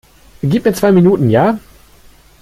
Gib mir zwei Minuten, ja?